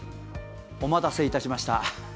お待たせいたしました。